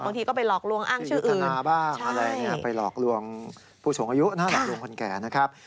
บางทีก็ไปหลอกลวงอ้างชื่ออื่นใช่ไปหลอกลวงผู้สงอายุนะหลอกลวงคนแก่นะครับ